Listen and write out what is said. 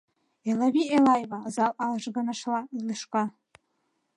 Элавий Элаева! — зал ажгынышыла лӱшка.